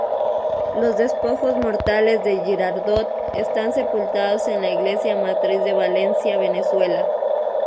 Los despojos mortales de Girardot están sepultados en la iglesia Matriz de Valencia, Venezuela.